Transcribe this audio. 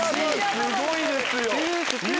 すごいですよ！